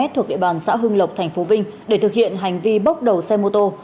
thuộc địa bàn xã hưng lộc tp vinh để thực hiện hành vi bốc đầu xe mô tô